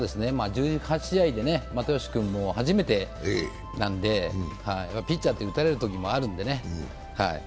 １８試合で又吉君も初めてなんでピッチャーって打たれるときもあるんでね。